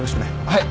はい。